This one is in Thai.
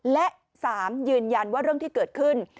และ๓ยืนยันว่าเรื่องที่เกิดขึ้น